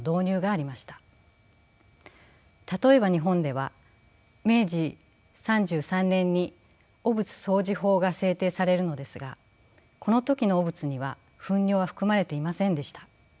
例えば日本では明治３３年に汚物掃除法が制定されるのですがこの時の汚物には糞尿は含まれていませんでした。